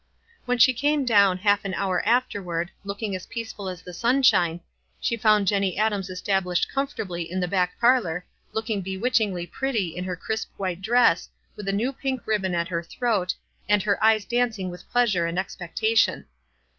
When she came down, half an horn* after ward, looking as peaceful as the sunshine, she found Jenny Adams established comfortably iu the back parlor, looking bewitchingly pretty in her crisp white dress, with a new pink ribbon at her throat, aud her eyes dancing with pleas WISE AND OTHERWISE. 113 lire and expectation.